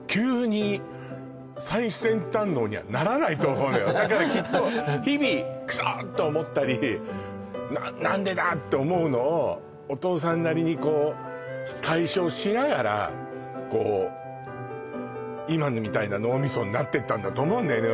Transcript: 昭和８年ですだからきっと日々クソッと思ったり何でだ！って思うのをお父さんなりにこう解消しながらこう今みたいな脳みそになってったんだと思うんだよね